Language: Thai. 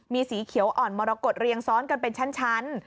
มีสีเขียวอ่อนมรกฏเรียงซ้อนกันเป็นชั้น